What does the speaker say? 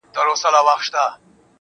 اوښکي دي پر مځکه درته ناڅي ولي.